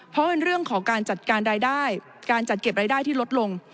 เพราะเป็นเรื่องของการจัดการรายได้การจัดเก็บรายได้ที่ลดลง